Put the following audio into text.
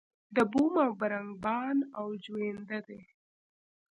د بوم او بر نگهبان او جوینده دی.